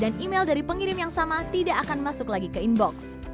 email dari pengirim yang sama tidak akan masuk lagi ke inbox